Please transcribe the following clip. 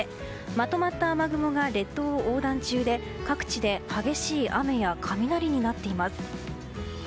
まとまった雨雲が列島を横断中で各地で激しい雨や雷になっています。